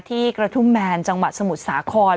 กระทุ่มแมนจังหวัดสมุทรสาคร